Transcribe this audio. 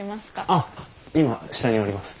あっ今下におります。